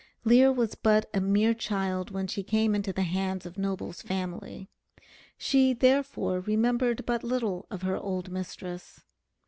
Lear was but a mere child when she came into the hands of Noble's family. She, therefore, remembered but little of her old mistress.